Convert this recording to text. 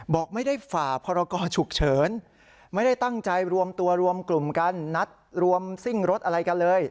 บอกไม่ได้ฝ่าพรกรฉุกเฉินไม่ได้ตั้งใจรวมตัวรวมกลุ่มกันนัดรวมซิ่งรถอะไรกันเลย